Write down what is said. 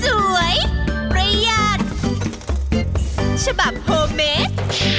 สวยประหยัดฉบับโฮเมส